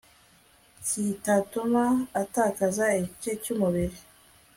kitatuma atakaza igice cy umubiri